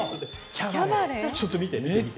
ちょっと見て見て見て。